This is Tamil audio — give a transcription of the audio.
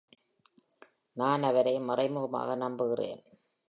நான் அவரை மறைமுகமாக நம்புகிறேன்.